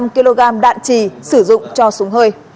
năm mươi tám năm kg đạn trì sử dụng cho súng hơi